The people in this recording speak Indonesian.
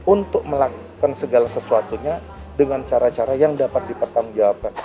untuk melakukan segala sesuatunya dengan cara cara yang dapat dipertanggungjawabkan